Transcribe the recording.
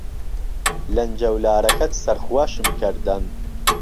لهنجهولارهکهت سهرخوهشم کهردهن